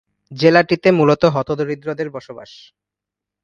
জেলাটিতে মূলত হত-দরিদ্রদের বসবাস।